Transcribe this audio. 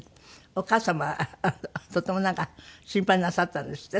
お母様はとてもなんか心配なさったんですって？